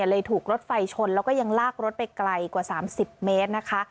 เลยถูกรถไฟชนแล้วก็ยังลากรถไปไกลกว่า๓๐เมตรนะคะ